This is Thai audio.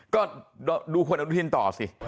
ก็ดูคุณอนุทินต่อสิ